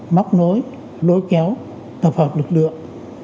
móc nối lối kéo tập hợp lực lượng